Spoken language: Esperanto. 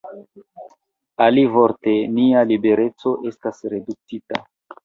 Alivorte, nia libereco estas reduktita.